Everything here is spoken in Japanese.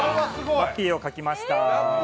ラッピーを描きました。